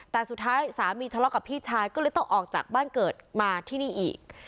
แต่สุดท้ายสามีทะเลาะกับพี่ชายก็เลยต้องออกจากบ้านเกิดมาที่นี่อีก